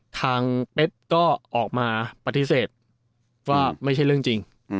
เป๊กก็ออกมาปฏิเสธว่าไม่ใช่เรื่องจริง